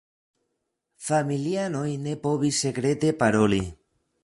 Familianoj ne povis sekrete paroli.